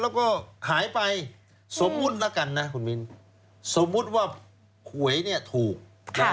แล้วก็หายไปสมมุติแล้วกันนะคุณมิ้นสมมุติว่าหวยเนี่ยถูกนะ